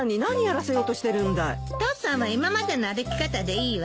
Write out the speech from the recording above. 父さんは今までの歩き方でいいわ。